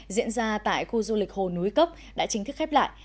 diễn ra tại khu du lịch hồ núi cấp đã chính thức khép lại